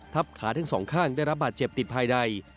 ขาทั้งสองข้างได้รับบาดเจ็บติดภายใน